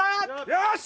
よし！